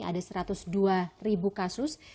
ada satu ratus dua ribu kasus